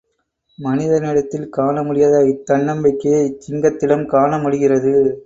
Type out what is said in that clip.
மனிதனிடத்தில் காணமுடியாத இத் தன்னம்பிக்கையைச் சிங்கத்திடம் காண முடிகிறது.